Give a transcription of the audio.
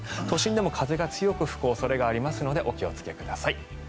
都心でも風が強く吹く恐れがありますのでお気をつけください。